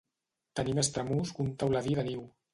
Tenir més tramús que un teuladí de niu.